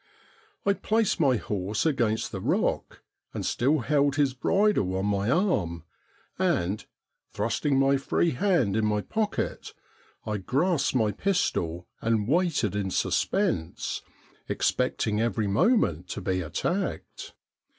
I placed my horse against the rock, and still held his bridle on my arm, and thrusting my free hand in my pocket I grasped my pistol and waited in suspense, expecting every moment to be attacked.